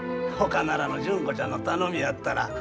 ほかならぬ純子ちゃんの頼みやったら。